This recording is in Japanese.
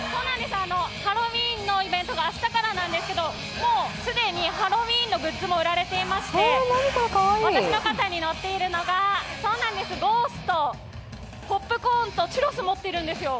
ハロウィーンのイベントが明日からなんですけど、もう、すでにハロウィーンのグッズが売られていまして私の肩に乗っているのがゴースト、ポップコーンとチュロス持ってるんですよ。